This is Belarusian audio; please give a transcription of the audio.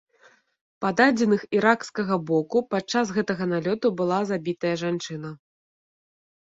Па дадзеных іракскага боку, падчас гэтага налёту была забітая жанчына.